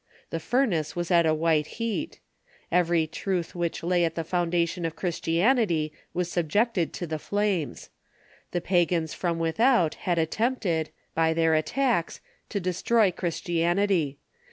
The furnace was at a white heat. Every truth which lay at the foundation of Christianity was subjected to the flames. The pagans from without had attempted, by their attacks, to destroy Christianity.